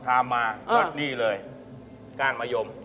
พร่ามมาก็นี้เลยก้านมโมยม